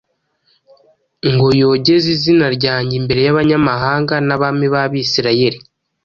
ngo yogeze izina ryanjye imbere y’abanyamahanga n’abami b’Abisirayeli”.